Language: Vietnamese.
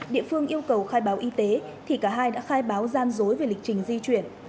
địa phương yêu cầu khai báo y tế thì cả hai đã khai báo gian dối về lịch trình di chuyển